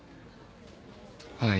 はい。